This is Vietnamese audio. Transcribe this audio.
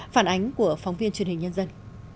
phản ánh của phóng viên truyền hình nhân dân